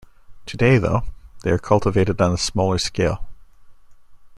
Today, though, they are cultivated on a smaller scale.